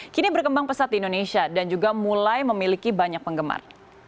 kini berkembang pesat di indonesia dan juga mulai memiliki banyak penggemar